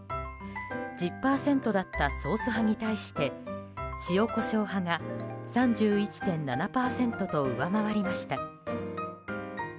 １０％だったソース派に対して塩コショウ派が３１．７％と上回りました。